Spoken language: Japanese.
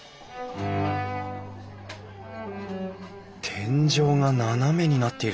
天井が斜めになっているぞ。